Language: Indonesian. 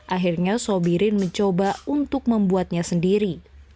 akhirnya sobirin mencoba untuk membuatnya sendiri